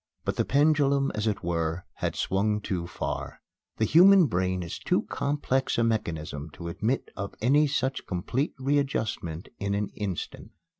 But the pendulum, as it were, had swung too far. The human brain is too complex a mechanism to admit of any such complete readjustment in an instant.